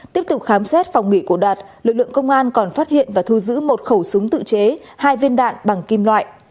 tiếp tục khám xét phòng nghỉ của đạt lực lượng công an còn phát hiện và thu giữ một khẩu súng tự chế hai viên đạn bằng kim loại